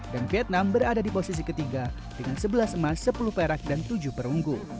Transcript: dan vietnam berada di posisi ketiga dengan sebelas emas sepuluh perak dan tujuh perunggu